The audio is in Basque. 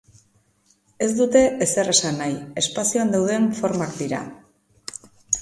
Ez dute ezer esan nahi: espazioan dauden formak dira.